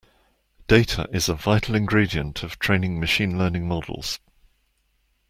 Data is a vital ingredient of training machine learning models.